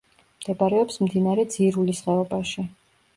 მდებარეობს მდინარე ძირულის ხეობაში.